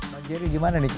mas jiri bagaimana